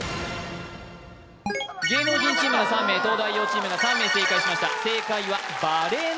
芸能人チームが３名東大王チームが３名正解しました正解はバレンでした